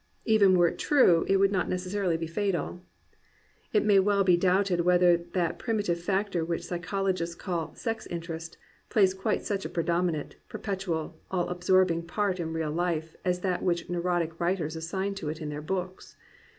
Even were it true, it would not necessarily be fatal. It may well be doubted whether that primitive factor which psychologists call "sex interest" plays quite such a predominant, perpetual, and all absorbing part in real life as that which neurotic writers assign to it in their books.